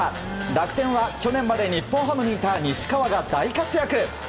楽天は去年まで日本ハムにいた西川が大活躍。